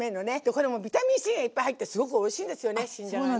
これもうビタミンＣがいっぱい入ってすごくおいしいんですよね新じゃがね。